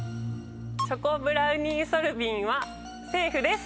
チョコブラウニーソルビンはセーフです。